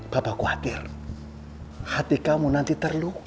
bapak khawatir hati kamu nanti terluka